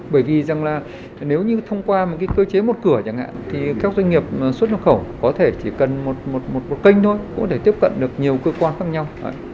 bởi vì rằng là nếu như thông qua một cơ chế một cửa chẳng hạn thì các doanh nghiệp xuất nhập khẩu có thể chỉ cần một kênh thôi cũng có thể tiếp cận được nhiều cơ quan khác nhau